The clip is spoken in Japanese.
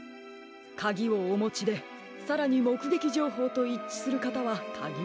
カギをおもちでさらにもくげきじょうほうといっちするかたはかぎられますからね。